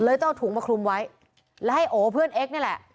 ต้องเอาถุงมาคลุมไว้แล้วให้โอเพื่อนเอ็กซนี่แหละ